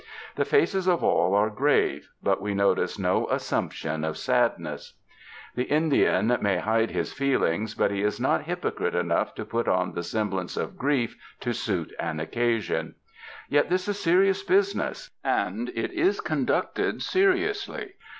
The faces of all are grave; but we notice no assumption of sadness. 100 THE MOUNTAINS The Indian may hide his feelings; but he is not hypocrite enough to put on the semblance of grief to suit an occasion. Yet this is serious business and it is conducted seriously.